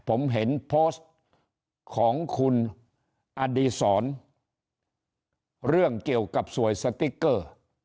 ผมเห็นโพสต์ของคุณอดีศรเรื่องเกี่ยวกับสวยสติ๊กเกอร์